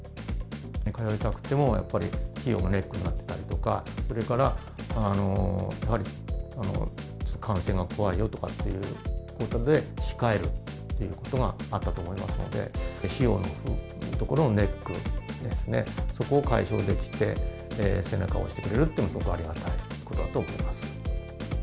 か酔いたくても、やっぱり費用がネックになっていたりとか、それから、やはり感染が怖いよとかいうことで、控えるということがあったと思いますので、費用のところのネックですね、そこを解消できて、背中を押してくれるっていうのは、すごくありがたいことだと思います。